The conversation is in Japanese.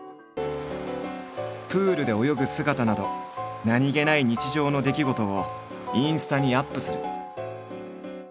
プールで泳ぐ姿など何気ない日常の出来事をインスタにアップする。